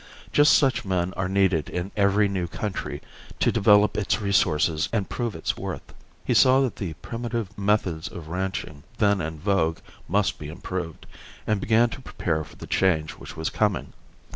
Just such men are needed in every new country to develop its resources and prove its worth. He saw that the primitive methods of ranching then in vogue must be improved, and began to prepare for the change which was coming.